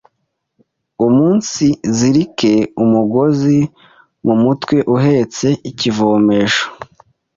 umunsizirike umugozi mu mutwe uhetse ikivomesho